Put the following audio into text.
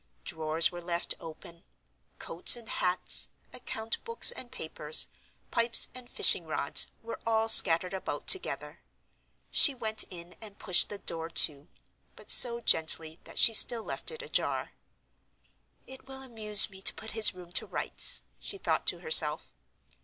Drawers were left open; coats and hats, account books and papers, pipes and fishing rods were all scattered about together. She went in, and pushed the door to—but so gently that she still left it ajar. "It will amuse me to put his room to rights," she thought to herself.